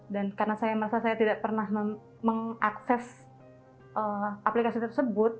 dan karena saya merasa saya tidak pernah mengakses aplikasi tersebut